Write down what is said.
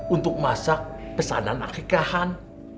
untuk masak pesanan akikahan